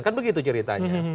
kan begitu ceritanya